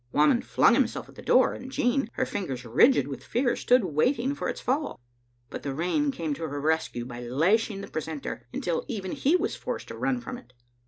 Whamond flung himself at the door, and Jean, her fingers rigid with fear, stood waiting for its fall. But the rain came to her rescue by lashing the precentor until even he was forced to run from it.